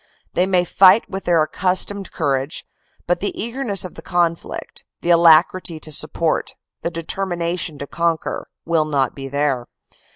They may fight with their accus tomed courage; but the eagerness of the conflict, the alacrity to support, the determination to conquer, will not be there.